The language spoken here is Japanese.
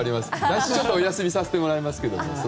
来週はちょっとお休みさせてもらいます。